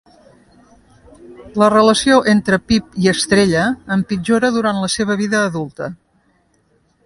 La relació entre Pip i Estella empitjora durant la seva vida adulta.